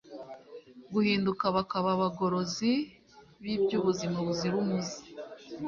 guhinduka bakaba abagorozi b'iby'ubuzima buzira umuze